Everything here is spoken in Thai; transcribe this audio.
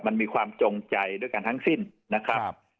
มันมีความจงใจด้วยกันทั้งสิ้นนะครับ